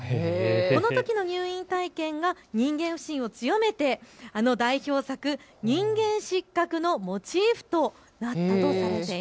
このときの入院体験が人間不信を強めてあの代表作、人間失格のモチーフとなったとされています。